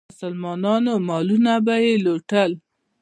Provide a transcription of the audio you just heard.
مسلمانانو مالونه به یې لوټل.